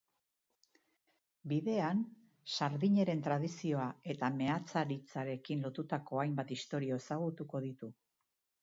Bidean, sardineren tradizioa eta meatzaritzarekin lotutako hainbat istorio ezagutuko ditu.